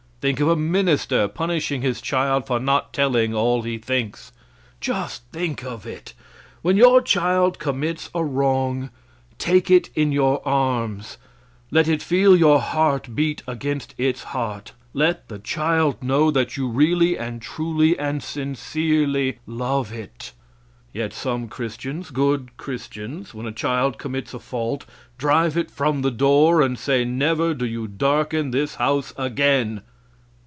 Think of a minister punishing his child for not telling all he thinks! Just think of it! When your child commits a wrong, take it in your arms; let it feel your heart beat against its heart; let the child know that you really and truly and sincerely love it. Yet some Christians, good Christians, when a child commits a fault, drive it from the door, and say, "Never do you darken this house again."